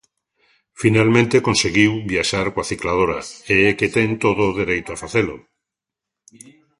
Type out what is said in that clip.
Finalmente conseguíu viaxar coa cicladora, e é que ten todo o dereito a facelo.